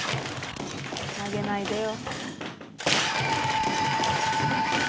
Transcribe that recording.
投げないでよ。